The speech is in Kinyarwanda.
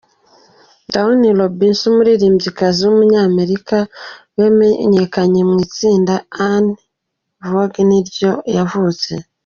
Dawn Robinson, umuririrmbyikazi w’umunyamerika wamenyekanye mu itsinda En Vogue nibwo yavutse.